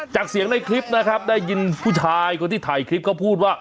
จากเสียงในคลิปนะครับได้ยินผู้ชายคนที่ถ่ายคลิปเขาพูดว่า